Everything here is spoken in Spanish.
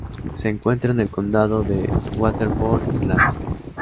Se encuentra en el condado de Waterford, Irlanda.